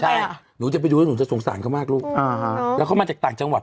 ใช่หนูจะไปดูแล้วหนูจะสงสารเขามากลูกอ่าฮะแล้วเขามาจากต่างจังหวัด